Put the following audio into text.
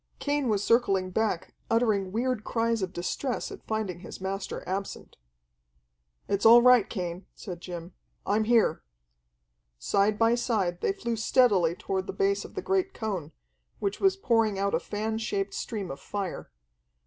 Cain was circling back, uttering weird cries of distress at finding his master absent. "It's all right, Cain," said Jim. "I'm here." Side by side they flew steadily toward the base of the great cone, which was pouring out a fan shaped stream of fire.